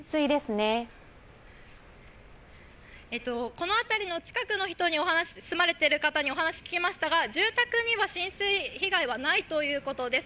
この辺りの近くに住まわれている方にお話を聞きましたが、住宅には浸水被害はないということです。